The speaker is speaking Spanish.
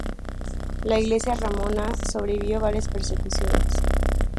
La iglesia romana sobrevivió varias persecuciones.